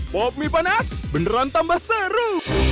pop mie panas beneran tambah seru